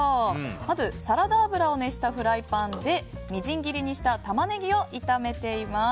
まずサラダ油を熱したフライパンでみじん切りにしたタマネギを炒めています。